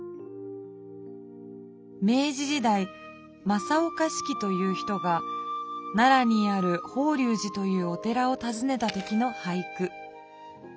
明治時代正岡子規という人が奈良にある法隆寺というお寺をたずねた時の俳句。